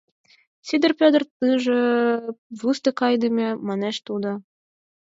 — Сидыр Петр тоже вустык айдеме, — манеш тудо.